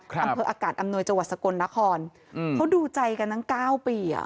อำเภออากาศอำนวยจังหวัดสกลนครอืมเขาดูใจกันตั้งเก้าปีอ่ะ